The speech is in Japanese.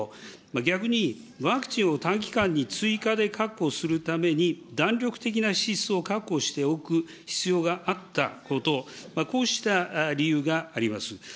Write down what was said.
逆に、ワクチンを短期間に追加で確保するために、弾力的な支出を確保を必要があったこと、こうした理由があります。